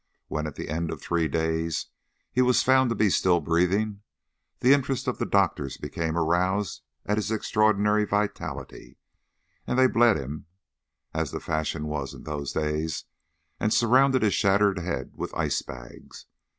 When at the end of three days he was found to be still breathing, the interest of the doctors became aroused at his extraordinary vitality, and they bled him, as the fashion was in those days, and surrounded his shattered head with icebags.